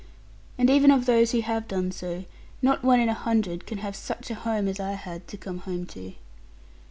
And even of those who have done so, not one in a hundred can have such a home as I had to come home to.